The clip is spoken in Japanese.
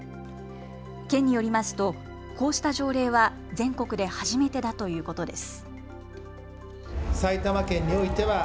県によりますとこうした条例は全国で初めてだということです。